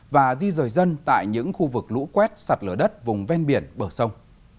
và di rời dân tại những khu vực lũ quét sạt lở đất vùng ven biển bờ sông